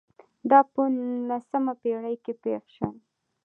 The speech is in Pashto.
دا په نولسمه پېړۍ کې پېښ شول.